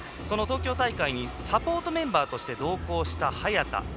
その東京大会にサポートメンバーとして同行した、早田。